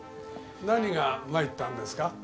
何が参ったんですか？